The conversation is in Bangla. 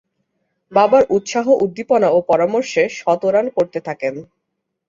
বাবার উৎসাহ-উদ্দীপনা ও পরামর্শে শতরান করতে থাকেন।